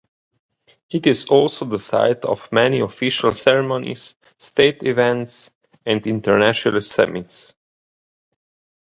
It is also the site of many official ceremonies, state events, and international summits.